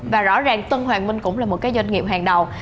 và rõ ràng tân hoàng minh cũng là một cái doanh nghiệp hàng đầu